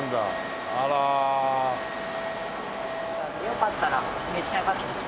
よかったら召し上がってみますか？